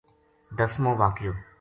دسمو واقعو